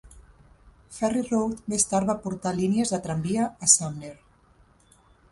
Ferry Road més tard va portar línies de tramvia a Sumner.